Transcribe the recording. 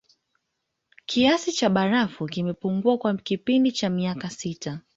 Kiasi cha barafu kimepungua kwa kipindi cha miaka sita